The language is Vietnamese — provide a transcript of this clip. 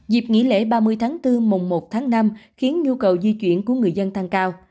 dịp nghỉ lễ ba mươi tháng bốn mùng một tháng năm khiến nhu cầu di chuyển của người dân tăng cao